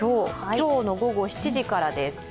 今日の午後７時からです。